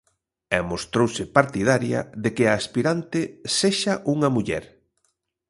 E mostrouse partidaria de que a aspirante sexa unha muller.